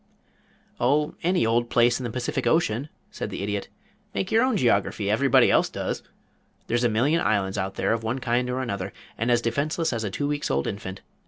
"Oh, any old place in the Pacific Ocean," said the Idiot. "Make your own geography everybody else does. There's a million islands out there of one kind or another, and as defenseless as a two weeks' old infant.